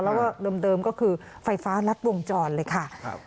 แล้วก็เดิมก็คือไฟฟ้ารัดวงจรเลยค่ะ